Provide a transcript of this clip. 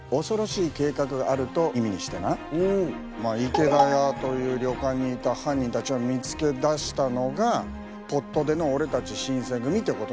池田屋という旅館にいた犯人たちを見つけ出したのがぽっと出の俺たち新選組ってことなのよ。